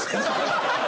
ハハハハ！